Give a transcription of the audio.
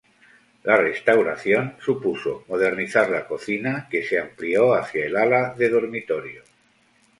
La restauración supuso modernizar la cocina, que se amplió hacia el ala de dormitorios.